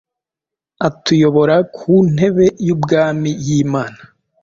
Atuyobora ku ntebe y’ubwami y’Imana